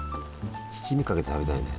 七味かけて食べたいね。